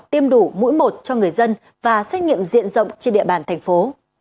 tiêm đủ mũi một cho người dân và xét nghiệm diện rộng trên địa bàn thành phố